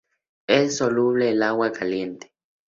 Es soluble en agua caliente.